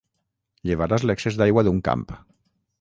Llevaràs l'excés d'aigua d'un camp.